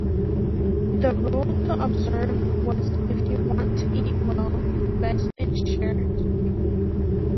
The rule to observe was if you want to eat well, invest in shares.